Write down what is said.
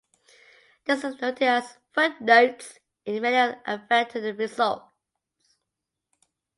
This is noted as footnotes in many of the affected results.